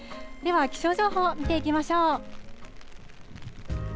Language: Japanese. では、気象情報、見ていきましょう。